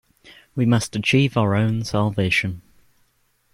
We must achieve our own salvation.